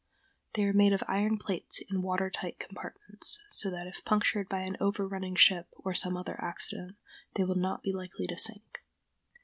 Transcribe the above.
They are made of iron plates in water tight compartments, so that if punctured by an over running ship or some other accident, they will not be likely to sink.